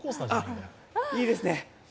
いいですね。